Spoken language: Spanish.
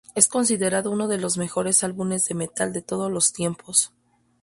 Es considerado uno de los mejores álbumes de metal de todos los tiempos.